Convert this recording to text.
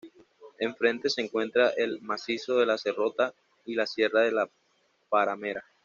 Enfrente se encuentra el macizo de la Serrota, y la Sierra de la Paramera.